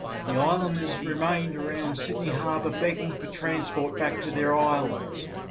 The Islanders remained around Sydney harbour, begging for transport back to their islands.